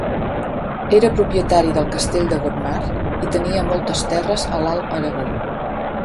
Era propietari del castell de Gotmar i tenia moltes terres a l'Alt Aragó.